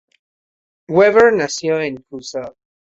Weber nació en Kusel.